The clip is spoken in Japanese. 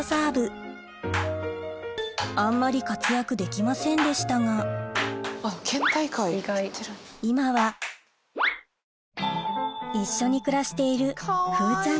あんまり活躍できませんでしたが今は一緒に暮らしている風ちゃん